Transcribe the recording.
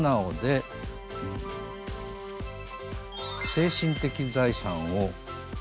精神的財産。